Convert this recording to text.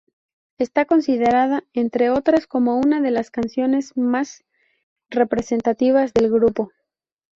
Está considerada, entre otras, como una de las canciones más representativas del grupo.